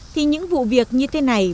thì những vụ việc như thế này